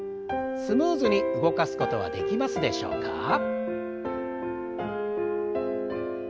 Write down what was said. スムーズに動かすことはできますでしょうか？